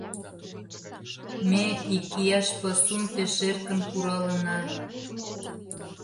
Ме икияш пасум пеш эркын куралына.